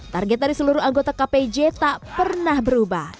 target dari seluruh anggota kpj tak pernah berubah